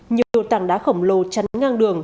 nhiều tảng đá khổng lồ chắn ngang đường